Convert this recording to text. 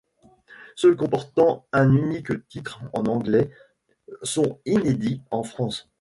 Ceux comportant un unique titre en anglais sont inédits en France.